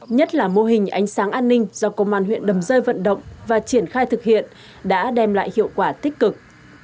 nhất là mô hình ánh sáng an ninh do công an huyện đầm rơi vận động và triển khai thực hiện đã đem lại hiệu quả tích cực